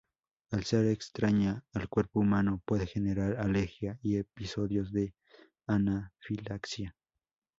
Al ser extraña al cuerpo humano, puede generar alergia y episodios de anafilaxia.